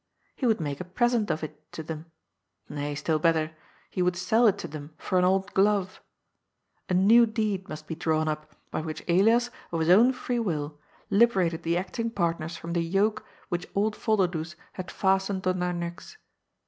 He would make a present of it to them ; nay, still better, he would sell it to them for an old glove. A new deed must be drawn up, by which Elias, of his own free will, liberated the acting partners from the yoke which old Yolderdoes had 9 130 ChOD'S FOOU fastened on their necks.